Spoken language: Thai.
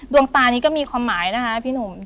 ดวงตานี้ก็มีความหมายนะคะพี่หนุ่ม